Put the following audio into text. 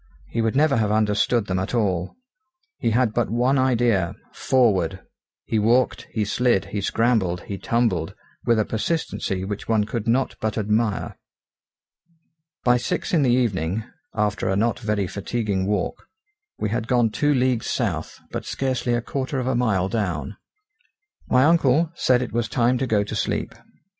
He would never have understood them at all. He had but one idea forward! He walked, he slid, he scrambled, he tumbled, with a persistency which one could not but admire. By six in the evening, after a not very fatiguing walk, we had gone two leagues south, but scarcely a quarter of a mile down. My uncle said it was time to go to sleep.